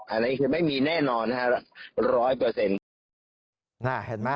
อันนี้คือไม่มีแน่นอนนะครับร้อยเปอร์เซ็นต์